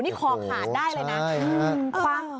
นี่คอขาดได้เลยนะ